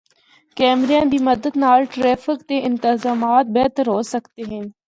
کیمریاں دی مدد نال ٹریفک دے انتظامات بہتر ہو سکدے ہن۔